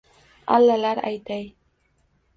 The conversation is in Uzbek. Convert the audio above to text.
Allalar aytay.